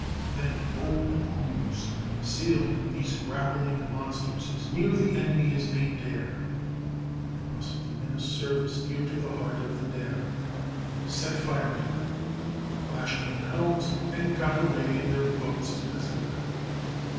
Then bold crews sailed these grappling monsters as near the enemy as they dared,—and it must have been a service dear to the heart of the daring,—set fire to them, lashed their helms, and got away in their boats as best they could.